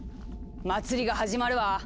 祭りが始まるわ！